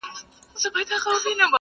سل سهاره جاروم له دې ماښامه-